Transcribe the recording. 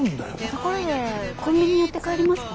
ところでコンビニ寄って帰りますか？